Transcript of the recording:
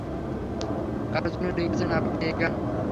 কার জন্য লিখেছিলেন আপনি এই গান?